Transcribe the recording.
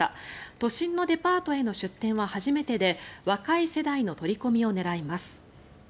都心のデパートへの出店は初めてで若い世代の取り込みを狙います。